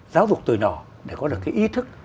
giáo dục từ nhỏ để có được cái ý thức